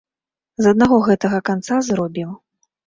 З аднаго гэтага канца зробім.